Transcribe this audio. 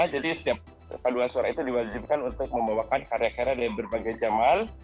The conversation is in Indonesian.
jadi setiap paduan suara itu diwajibkan untuk membawakan karya karya dari berbagai jamal